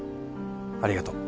ありがとう。